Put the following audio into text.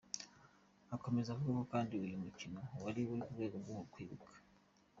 Akomeza avuga kandi ko uyu mukino wari uri mu rwego rwo kwibuka.